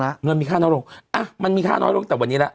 หรือมีค่าน้อยลงมานี้ล่ะ